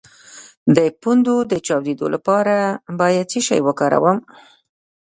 د پوندو د چاودیدو لپاره باید څه شی وکاروم؟